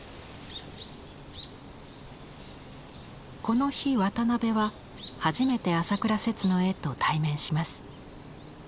この日渡辺は初めて朝倉摂の絵と対面します。